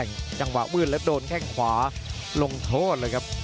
แข็งแกร่งจังหวะมืดและโดนแค่งขวาลงโทษเลยครับ